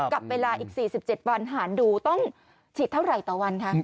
กับเวลาอีก๔๗วันหารดูต้องฉีดเท่าไหร่ต่อวันคะ